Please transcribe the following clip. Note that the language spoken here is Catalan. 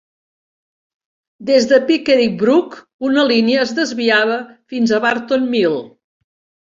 Des de Pickering Brook, una línia es desviava fins a Bartons Mill.